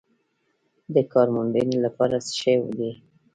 د کار موندنې لپاره څه شوي دي؟